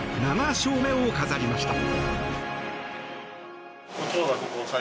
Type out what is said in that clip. ７勝目を飾りました。